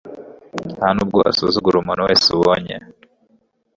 Nta nubwo wasuzugura umuntu wese ubonye